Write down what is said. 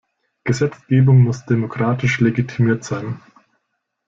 Gesetzgebung muss demokratisch legitimiert sein.